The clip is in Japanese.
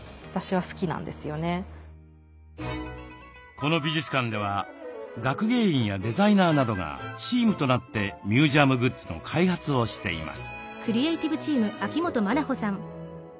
この美術館では学芸員やデザイナーなどがチームとなってミュージアムグッズの開発をしています。